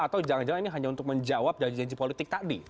atau jangan jangan ini hanya untuk menjawab janji janji politik tadi